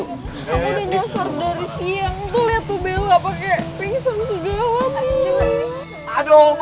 aku udah nyasar dari siang tuh liat tuh bella pake pingsan segala